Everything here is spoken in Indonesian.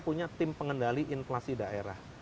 punya tim pengendali inflasi daerah